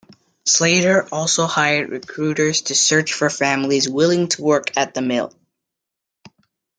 Slater also hired recruiters to search for families willing to work at the mill.